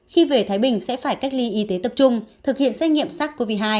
khi về thái bình sẽ phải cách ly y tế tập trung thực hiện xét nghiệm sars cov hai